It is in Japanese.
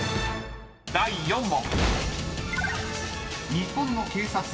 ［第４問］